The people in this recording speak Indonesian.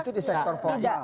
itu di sektor formal